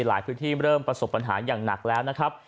หลายพื้นที่เริ่มประสบปัญหาอย่างหนักแล้วนะครับ